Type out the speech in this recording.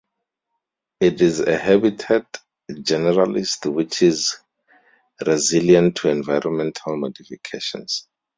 It is a habitat generalist which is resilient to environmental modifications.